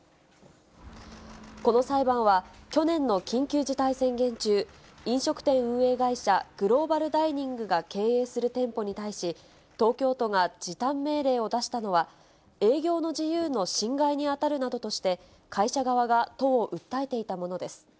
この裁判は、去年の緊急事態宣言中、飲食店運営会社、グローバルダイニングが経営する店舗に対し、東京都が時短命令を出したのは、営業の自由の侵害に当たるなどとして、会社側が都を訴えていたものです。